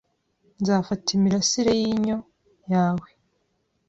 Nzafata -imirasire yinyo yawe.